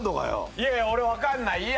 いやいや俺分かんないいや